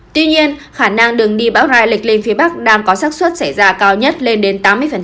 tuy nhiên khả năng đường đi bão ra lệch lên phía bắc đang có sắc xuất xảy ra cao nhất lên đến tám mươi